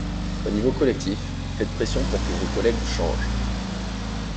Au niveau collectif, faites pression pour que vos collègues changent